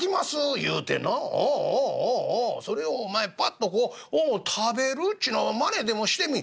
言うてなああああそれをお前ぱっとこう食べるっちゅうよなマネでもしてみい。